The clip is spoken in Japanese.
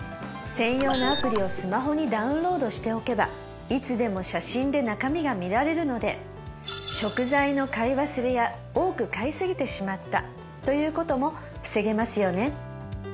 専用のアプリをスマホにダウンロードしておけばいつでも写真で中身が見られるので食材の買い忘れや多く買いすぎてしまったということも防げますよね